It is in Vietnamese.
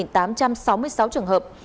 hai tám trăm sáu mươi sáu trường hợp